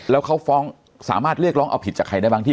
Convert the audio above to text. แล้วเขาฟ้องสามารถเรียกร้องเอาผิดจากใครได้บ้างที่